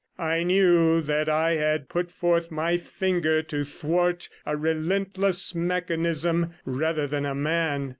I knew that I had put forth my finger to thwart a relentless mechanism rather than a man.